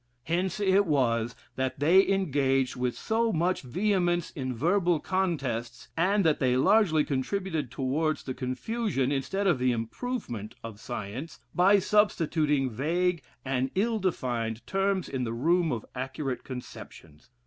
Hence it was that they engaged with so much vehemence in verbal contests, and that they largely contributed towards the confusion, instead of the improvement, of science, by substituting vague and ill defined terms in the room of accurate conceptions.